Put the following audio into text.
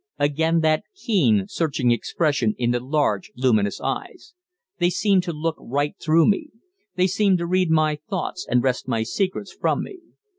Again that keen, searching expression in the large, luminous eyes. They seemed to look right through me. They seemed to read my thoughts and wrest my secrets from me.